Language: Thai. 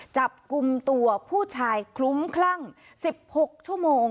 จับกลุ่มตัวผู้ชายคลุ้มคลั่ง๑๖ชั่วโมง